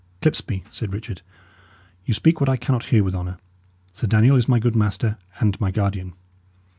"Clipsby," said Richard, "you speak what I cannot hear with honour. Sir Daniel is my good master, and my guardian."